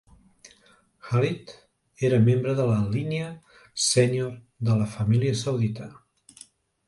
Khalid era membre de la línia sènior de la família saudita.